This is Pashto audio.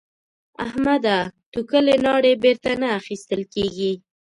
احمده؛ توکلې ناړې بېرته نه اخيستل کېږي.